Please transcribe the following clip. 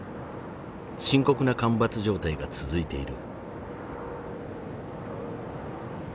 深刻な干ばつ状態が続いている。